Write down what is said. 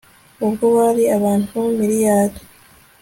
ubwo bari abantu miriyali